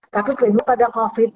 tapi pada covid